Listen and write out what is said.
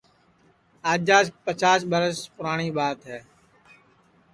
آجاس پچاس ٻرس پُراٹؔی ٻات ہے